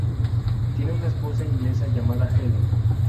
Tiene una esposa inglesa llamada Helen.